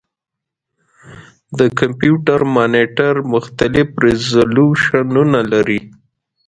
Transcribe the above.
د کمپیوټر مانیټر مختلف ریزولوشنونه لري.